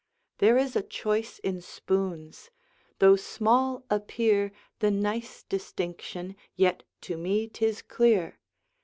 There is a choice in spoons. Though small appear The nice distinction, yet to me 'tis clear.